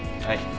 はい。